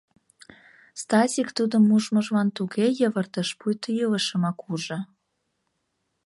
Стасик Тудым ужмыжлан туге йывыртыш, пуйто илышымак ужо.